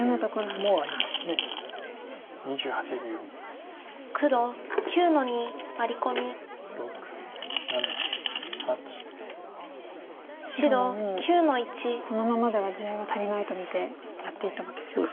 白ももうこのままでは地合いは足りないと見てやっていったわけですか。